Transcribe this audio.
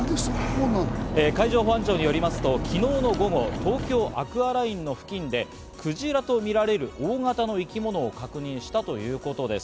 海上保安庁によりますと昨日の午後、東京アクアラインの付近でクジラとみられる大型の生き物を確認したということです。